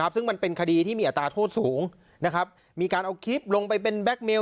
ซึ่งมันเป็นคดีที่มีอัตราโทษสูงมีการเอาคลิปลงไปเป็นแก๊คเมล